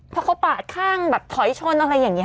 เพราะเขาปาดข้างแบบถอยชนอะไรอย่างนี้